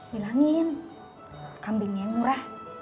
bilangin kambing yang murah